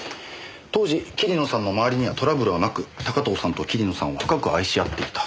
当時桐野さんの周りにはトラブルはなく高塔さんと桐野さんは深く愛し合っていた。